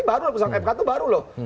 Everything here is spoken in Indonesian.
baru putusan mk itu baru loh